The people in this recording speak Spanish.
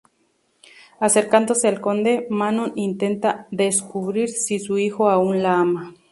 Acercándose al conde, Manon intenta descubrir si su hijo aún la ama.